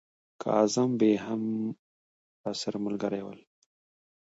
کاظم بې هم راسره ملګري ول.